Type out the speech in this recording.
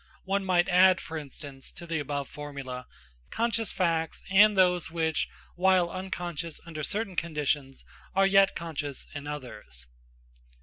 One might add, for instance, to the above formula: conscious facts and those which, while unconscious under certain conditions, are yet conscious in others.